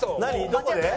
どこで？